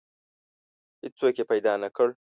هیڅوک یې پیدا نه کړ.